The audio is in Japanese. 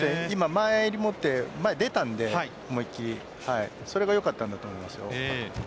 前襟を持って前に出たのでそれがよかったんだと思います。